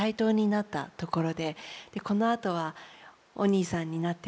このあとはお義兄さんになっていくわけで。